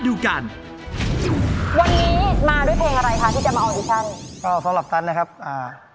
ช่วยฝังดินหรือกว่า